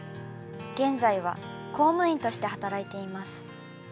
現在は公務員として働いています。